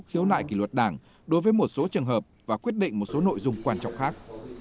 khiếu nại kỷ luật đảng đối với một số trường hợp và quyết định một số nội dung quan trọng khác